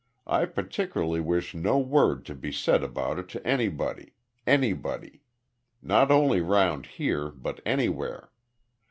I particularly wish no word to be said about it to anybody anybody. Not only round here, but anywhere.